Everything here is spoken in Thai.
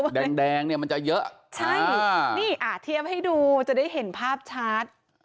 แดงแดงเนี่ยมันจะเยอะใช่นี่เทียบให้ดูจะได้เห็นภาพชัด